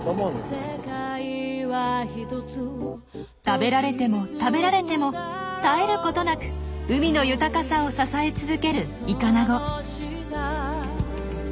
食べられても食べられても絶えることなく海の豊かさを支え続けるイカナゴ。